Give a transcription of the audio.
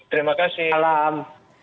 terima kasih salam